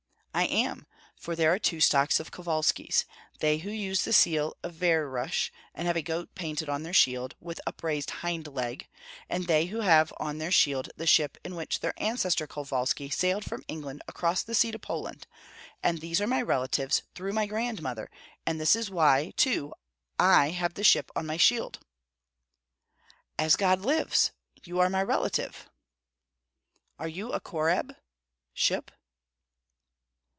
"I am, for there are two stocks of Kovalskis, they who use the seal of Vyerush and have a goat painted on their shield, with upraised hind leg; and they who have on their shield the ship in which their ancestor Kovalski sailed from England across the sea to Poland; and these are my relatives, through my grandmother, and this is why I, too, have the ship on my shield." "As God lives! you are my relative." "Are you a Korab (ship)?"